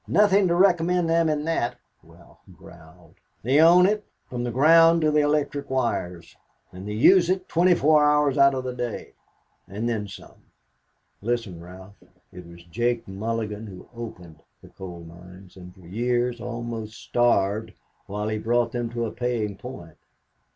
"Nothing to recommend them in that," Ralph growled. "They own it from the ground to the electric wires; and they use it twenty four hours out of the day and then some." "Listen, Ralph. It was Jake Mulligan who opened the coal mines, and for years almost starved while he brought them to a paying point.